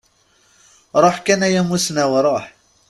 Ruḥ kan a yamusnaw ruḥ!